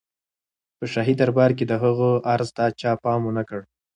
په شاهي دربار کې د هغه عرض ته چا پام ونه کړ.